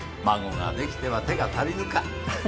孫ができては手が足りぬか。